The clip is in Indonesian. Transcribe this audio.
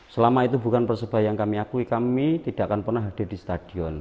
selama itu bukan persebaya yang kami akui kami tidak akan pernah hadir di stadion